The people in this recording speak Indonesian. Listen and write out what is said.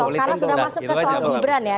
karena sudah masuk ke soal gibran ya